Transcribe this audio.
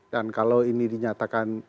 dan kalau ini dinyatakan